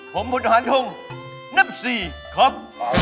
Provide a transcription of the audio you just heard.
ผมผู้อาหารท่องนับสี่ครับ